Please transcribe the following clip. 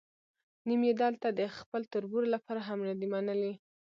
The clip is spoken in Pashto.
نیم یې دلته د خپل تربور لپاره هم نه دی منلی.